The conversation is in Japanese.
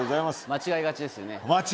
間違えがちですよね。